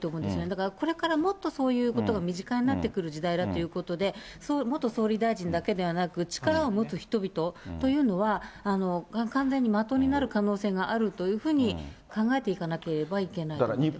だからこれからもっとそういうことが身近になってくる時代だということで、元総理大臣だけではなく、力を持つ人々というのは、完全に的になる可能性があるというふうに考えていかなければいけないと思います。